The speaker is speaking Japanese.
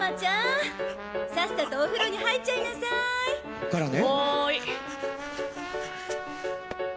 こっからね。